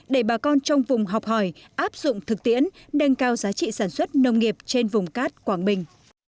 để bà con trong vùng học hỏi áp dụng thực tiễn nâng cao giá trị sản xuất nông nghiệp trên vùng cát quảng bình